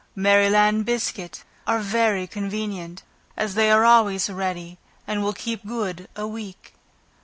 Maryland biscuit are very convenient, as they are always ready, and will keep good a week.